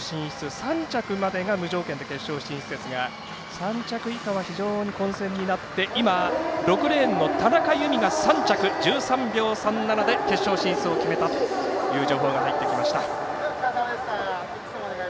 ３着までが無条件で決勝進出ですが３着以下は非常に混戦になって今、６レーンの田中佑美が３着１３秒３７で決勝進出を決めたという情報が入ってきました。